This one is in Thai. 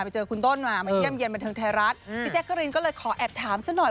ไปเจอคุณต้นมามาเยี่ยมเย็นบันเทิงไทยรัฐพี่แจ๊กกะรีนก็เลยขอแอบถามซะหน่อย